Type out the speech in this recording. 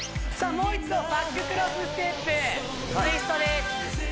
もう一度バッククロスステップツイストです